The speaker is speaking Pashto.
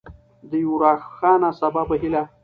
د یوې روښانه سبا په هیله.